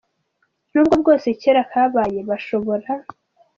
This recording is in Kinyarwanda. nubwo bwose kera kabaye bashobora.